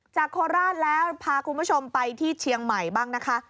โคราชแล้วพาคุณผู้ชมไปที่เชียงใหม่บ้างนะคะ